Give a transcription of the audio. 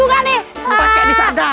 bukan kayak bisa dari